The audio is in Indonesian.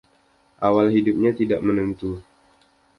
Awal hidupnya tidak menentu.